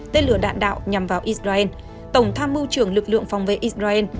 tên lửa đạn đạo nhằm vào israel tổng tham mưu trưởng lực lượng phòng vệ israel